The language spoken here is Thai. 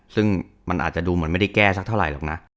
ซึ่งมันอาจจะดูเหมือนไม่ได้แก้สักเท่าไหร่หรอกนะ